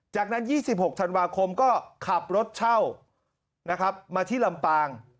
จากนั้น๒๖ธันวาคมก็ขับรถเช่านะครับมาที่ลำปาง